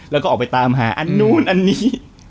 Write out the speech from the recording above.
แล้วก็ออกไปตามหาอันนู้นอันนี้